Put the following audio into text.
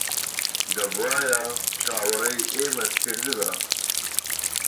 دەبوایە چاوەڕێی ئێمەت کردبا.